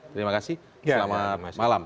terima kasih selamat malam